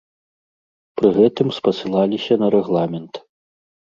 Пры гэтым спасылаліся на рэгламент.